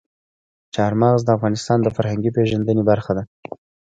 چار مغز د افغانانو د فرهنګي پیژندنې برخه ده.